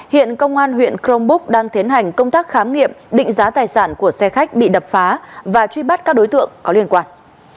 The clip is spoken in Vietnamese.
hiện công an huyện crong búc đang tiến hành công tác khám nghiệm định giá tài sản của xe khách bị đập phá và truy bắt các đối tượng có liên quan